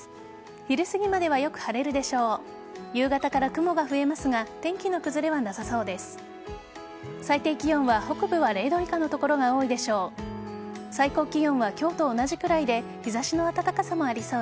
昼過ぎまではよく晴れるでしょう。